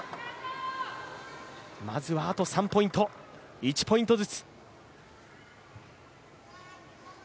まずはあと３ポイント、１ポイントずつ。